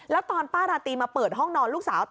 แล้วตอนป้าราตรีมาเปิดห้องนอนลูกสาว